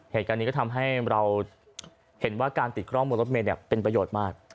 เหตุการณ์นี้ก็ทำให้เราเห็นว่าการติดกล้องบนรถเมย์เป็นประโยชน์มาก